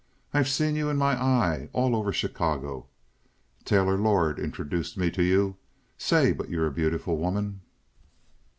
I've seen you in my eye all over Chicago. Taylor Lord introduced me to you. Say, but you're a beautiful woman!"